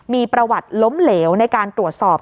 มีประวัติล้มเหลวในการตรวจสอบ